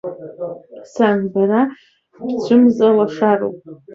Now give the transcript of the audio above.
Сан, бара бцәымза лашароуп.